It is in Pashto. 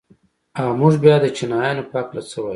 او موږ بيا د چينايانو په هکله څه وايو؟